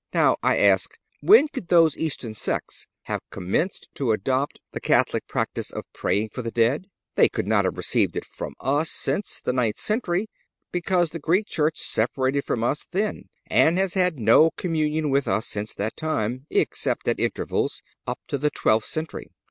Now, I ask, when could those Eastern sects have commenced to adopt the Catholic practice of praying for the dead? They could not have received it from us since the ninth century, because the Greek church separated from us then and has had no communion with us since that time, except at intervals, up to the twelfth century.